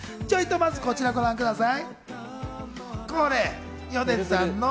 こちらをご覧ください。